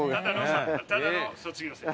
ただの卒業生。